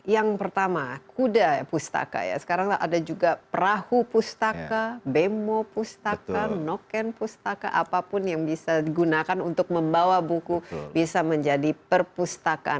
yang pertama kuda pustaka ya sekarang ada juga perahu pustaka bemo pustaka noken pustaka apapun yang bisa digunakan untuk membawa buku bisa menjadi perpustakaan